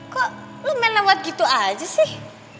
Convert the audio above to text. kok lo main lewat gitu aja sih